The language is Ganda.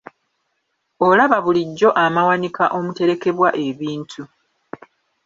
Olaba bulijjo amawanika omuterekebwa ebintu.